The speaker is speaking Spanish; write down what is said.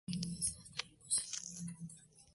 La redactora jefe de la revista es Anna Wintour.